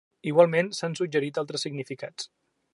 Igualment s'han suggerit altres significats.